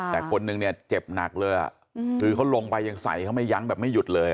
แต่คนนึงเนี่ยเจ็บหนักเลยคือเขาลงไปยังใส่เขาไม่ยั้งแบบไม่หยุดเลย